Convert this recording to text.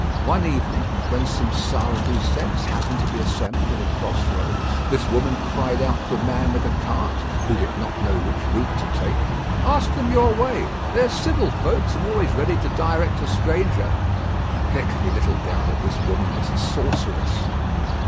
One evening, when some Sarregousets happened to be assembled at a crossroad, this woman cried out to a man with a cart, who did not know which route to take, "Ask them your way. They are civil folks, and always ready to direct a stranger." There can be little doubt that this woman was a sorceress.